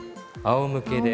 あおむけで。